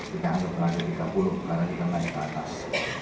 kita anggap ada tiga puluh karena kita naik ke atas